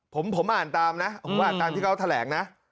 ผมอ่านตามนะผมอ่านตามที่เขาแถลงนะ